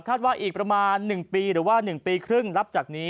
ถ้าว่าอีกนึงปีหรือ๑๕ปีแล้ว